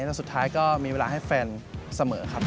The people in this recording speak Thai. แต่สุดท้ายก็มีเวลาให้แฟนเสมอครับ